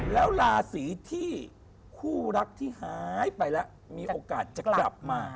แล้วราศีที่คู่รักที่หายไปแล้วมีโอกาสจะกลับมา